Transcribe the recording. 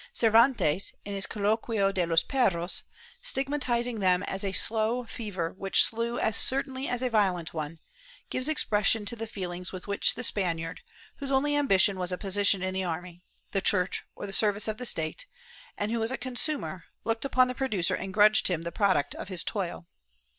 Cervantes, in his CoUoquio de los perros, stigmatizing them as a slow fever which slew as certainly as a violent one, gives expression to the feelings with which the Spaniard, whose only ambition was a position in the army, the Church or the service of the State, and who was a consumer, looked upon the producer and grudged him the product of his toil.